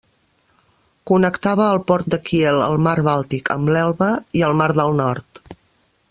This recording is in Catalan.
Connectava el port de Kiel al mar Bàltic amb l'Elba i el Mar del Nord.